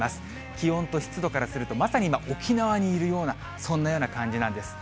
気温と湿度からすると、まさに今、沖縄にいるような、そんなような感じなんです。